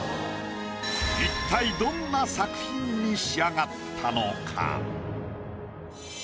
一体どんな作品に仕上がったのか？